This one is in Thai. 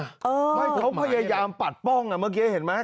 ไม่เขาพยายามปัดป้องเมื่อกี้เห็นไหม